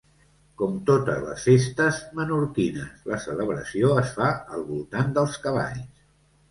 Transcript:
Com totes les festes menorquines, la celebració es fa al voltant dels cavalls.